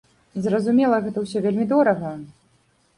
Зразумела, гэта ўсё вельмі дорага.